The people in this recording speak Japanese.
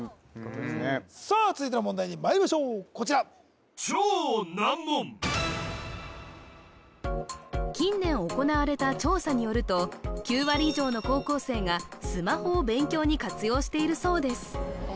続いての問題にまいりましょうこちら近年行われた調査によると９割以上の高校生がスマホを勉強に活用しているそうです